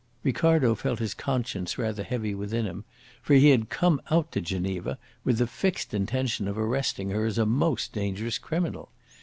Ricardo felt his conscience rather heavy within him, for he had come out to Geneva with the fixed intention of arresting her as a most dangerous criminal.